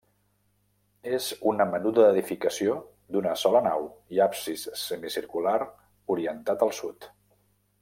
És una menuda edificació d'una sola nau i absis semicircular orientat al sud.